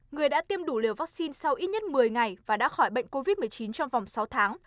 người đã tiêm đủ liều vaccine sau ít nhất một mươi ngày và đã khỏi bệnh covid một mươi chín trong vòng sáu tháng